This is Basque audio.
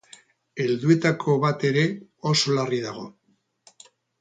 Helduetako bat ere oso larri dago.